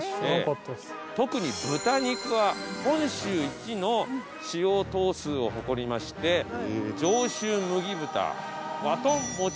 特に豚肉は本州一の飼養頭数を誇りまして上州麦豚和豚もち